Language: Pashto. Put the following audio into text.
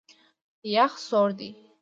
یخ سوړ دی.